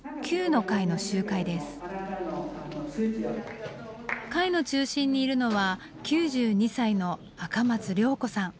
会の中心にいるのは９２歳の赤松良子さん。